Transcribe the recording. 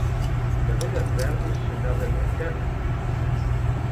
Da betra servij un avelventer ?